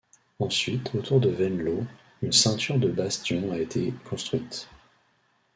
Ensuite autour de Venlo, une ceinture de bastions a été construite.